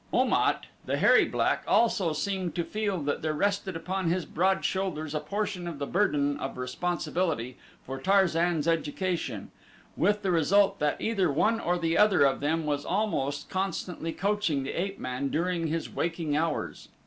Om at, the hairy black, also seemed to feel that there rested upon his broad shoulders a portion of the burden of responsibility for Tarzan's education, with the result that either one or the other of them was almost constantly coaching the ape man during his waking hours.